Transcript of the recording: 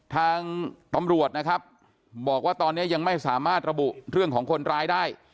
ทางตำรวจนะครับบอกว่าตอนนี้ยังไม่สามารถระบุเรื่องของคนร้ายได้